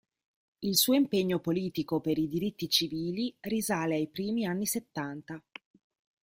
Il suo impegno politico per i diritti civili risale ai primi anni settanta.